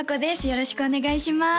よろしくお願いします